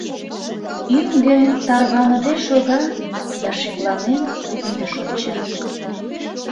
Ӱҥгӧ тарваныде шога да шекланен вӱдыш онча.